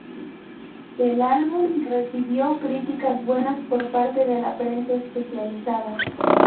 El álbum recibió críticas buenas por parte de la prensa especializada.